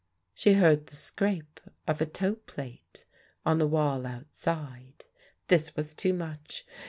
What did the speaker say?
She heard the scrape of a toe plate on the wall outside. This was too much.